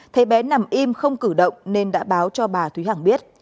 thấy bé nằm im không cử động nên đã báo cho bà thúy hằng biết